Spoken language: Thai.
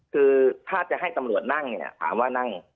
คือถ้าจะให้ตำรวจนั่งเนี่ยถามว่านั่ง